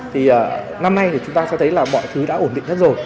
thì năm nay thì chúng ta sẽ thấy là mọi thứ đã ổn định hết rồi